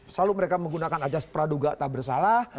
selalu mereka menggunakan ajas praduga tak bersalah